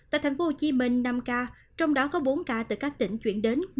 tại thành phố hồ chí minh năm ca trong đó có bốn ca từ các tỉnh chuyển đến